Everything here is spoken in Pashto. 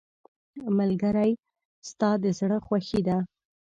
ملګری ستا د زړه خوښي ده.